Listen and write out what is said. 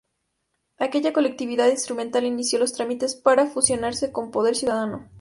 Aquella colectividad instrumental inició los trámites para fusionarse con Poder Ciudadano.